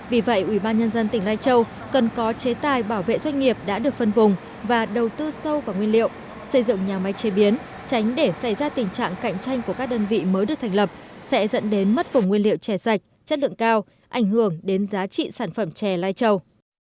vì vậy ubnd tỉnh lai châu cần có chế tài bảo vệ doanh nghiệp đã được phân vùng và đầu tư sâu vào nguyên liệu xây dựng nhà máy chế biến tránh để xảy ra tình trạng cạnh tranh của các đơn vị mới được thành lập sẽ dẫn đến mất vùng nguyên liệu chè sạch chất lượng cao ảnh hưởng đến giá trị sản phẩm chè lai châu